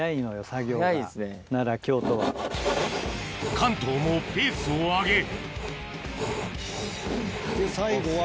関東もペースを上げで最後は。